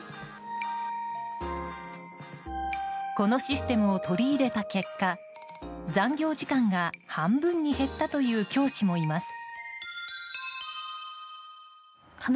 このシステムを取り入れた結果残業時間が半分に減ったという教師もいます。